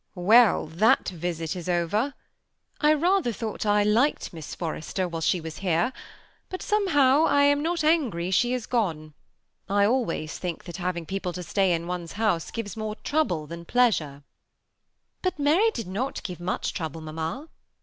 £ll, tbat visit is over. I rather thought I likeS Forrester while she was here; but somekow I ', sorry she is gone. I always think that having THE SEMI ^ATTACHED COUPLE. 251 people to stay in one's hoase, gives more trouble than pleasure*'' ^ Bat Mary did not give mocli trouble, mamma."